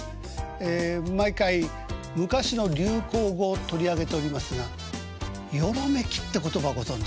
ええ毎回昔の流行語を取り上げておりますが「よろめき」って言葉ご存じですか？